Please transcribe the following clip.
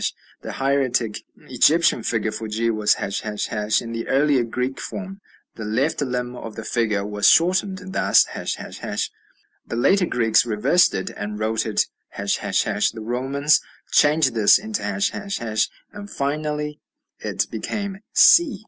The hieratic Egyptian figure for g was ###; in the earlier Greek form the left limb of the figure was shortened, thus, ###; the later Greeks reversed it, and wrote it ###; the Romans, changed this into ### and it finally became C.